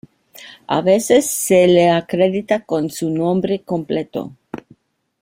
A veces se le acredita con su nombre completo.